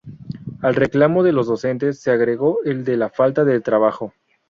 Al reclamo de los docentes se agregó el de la falta de trabajo.